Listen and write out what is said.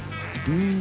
うん。